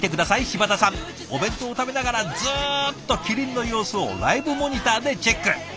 柴田さんお弁当を食べながらずっとキリンの様子をライブモニターでチェック。